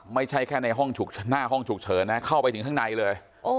ไม่ใช่แค่ในห้องหน้าห้องฉุกเฉินนะเข้าไปถึงข้างในเลย